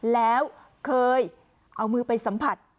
แล้วเคยเอามือไปสัมผัส